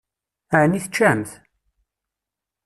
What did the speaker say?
Ɛni teččamt?